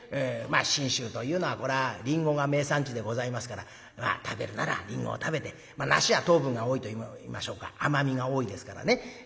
信州というのはこれはりんごが名産地でございますから食べるならりんごを食べてまあ梨は糖分が多いといいましょうか甘みが多いですからね